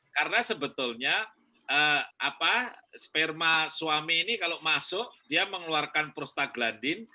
karena sebetulnya sperma suami ini kalau masuk dia mengeluarkan prostaglandin